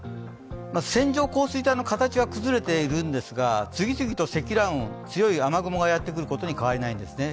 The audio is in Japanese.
線状降水帯の形は崩れているんですが、次々と積乱雲、強い雨雲がやってくることには変わりがないんですね。